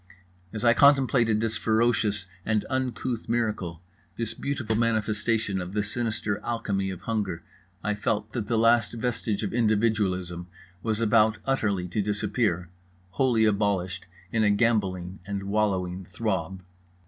As I contemplated this ferocious and uncouth miracle, this beautiful manifestation of the sinister alchemy of hunger, I felt that the last vestige of individualism was about utterly to disappear, wholly abolished in a gambolling and wallowing throb.